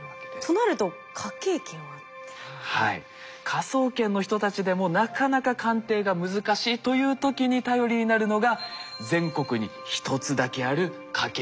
科捜研の人たちでもなかなか鑑定が難しいという時に頼りになるのが全国に１つだけある科警研なんです。